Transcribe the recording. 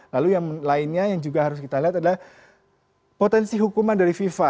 lalu yang lainnya yang juga harus kita lihat adalah potensi hukuman dari fifa